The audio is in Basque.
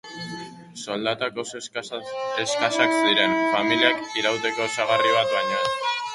Soldatak oso eskasak ziren, familiak irauteko osagarri bat baino ez.